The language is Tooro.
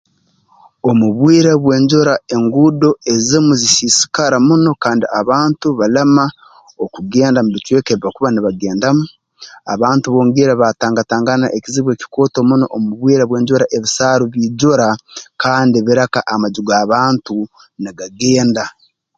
Omu bwire bw'enjura enguudo ezimu zisiisikara muno kandi abantu balema okugenda mu bicweka ebi bakuba nibagendamu abantu bongiire batangatangana ekizibu ekikooto muno omu bwire bw'enjura ebisaaru biijura kandi bireka amaju g'abantu nigagenda